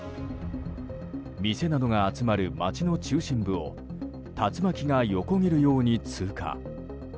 店などが集まる町の中心部を竜巻が横切るように通過。